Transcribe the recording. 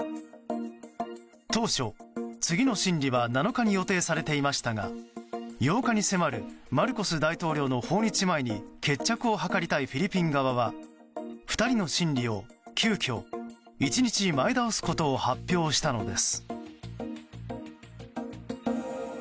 当初、次の審理は７日に予定されていましたが８日に迫るマルコス大統領の訪日前に決着を図りたいフィリピン側は２人の審理を急きょ１日前倒すことを発表したのです。